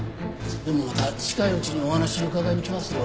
でもまた近いうちにお話伺いに来ますよ。